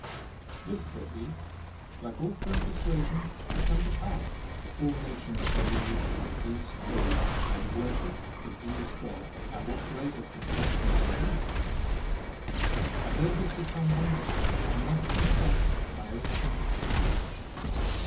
"This," said he, "like all firm per suasions, is come to pass, for all nations believe the Jews' code, and worship the Jews' God; and what greater subjection can be?" I heard this with some wonder, and must confess my own conviction.